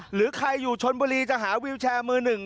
หรือใครอยู่ชนบุรีจะหาวิวแชร์มือหนึ่ง